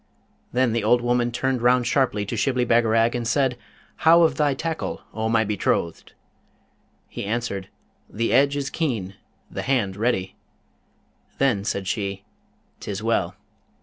Then the old woman turned round sharply to Shibli Bagarag, and said, 'How of thy tackle, O my betrothed?' He answered, 'The edge is keen, the hand ready.' Then said she, ''Tis well.'